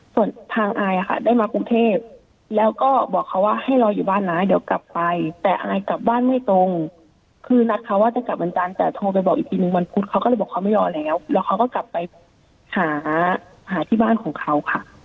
ส่วนทางอายค่ะได้มากรุงเทพแล้วก็บอกเขาว่าให้รออยู่บ้านนะเดี๋ยวกลับไปแต่อายกลับบ้านไม่ตรงคือนัดเขาว่าจะกลับวันจันทร์แต่โทรไปบอกอีกทีนึงวันพุธเขาก็เลยบอกเขาไม่รอแล้วแล้วเขาก็กลับไปหาหาที่บ้านของเขาค่ะ